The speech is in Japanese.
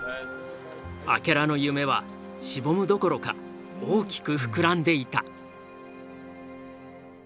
明楽の夢はしぼむどころか大きく膨らんでいた。